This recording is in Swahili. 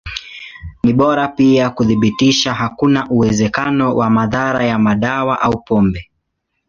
Ni bora pia kuthibitisha hakuna uwezekano wa madhara ya madawa au pombe.